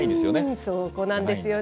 そこなんですよね。